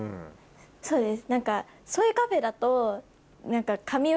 そうです。